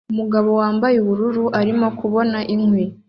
Umugabo wambaye ubururu arimo kubona inkwi